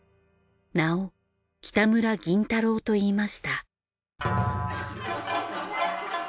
名を北村銀太郎といいました。